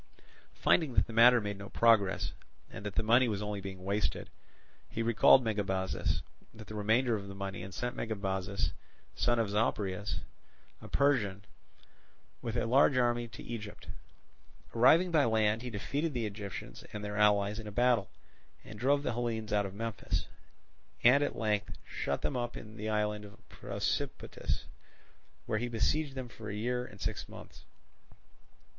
Finding that the matter made no progress, and that the money was only being wasted, he recalled Megabazus with the remainder of the money, and sent Megabuzus, son of Zopyrus, a Persian, with a large army to Egypt. Arriving by land he defeated the Egyptians and their allies in a battle, and drove the Hellenes out of Memphis, and at length shut them up in the island of Prosopitis, where he besieged them for a year and six months.